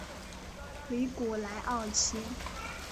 维古莱奥齐。